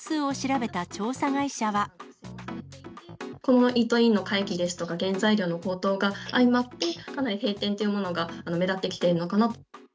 今後、イートインの回帰ですとか、原材料の高騰が相まって、かなり閉店というものが目立ってきているのかな。